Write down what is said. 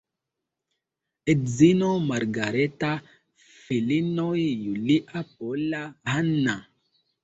Edzino Margareta, filinoj Julia, Pola, Hanna.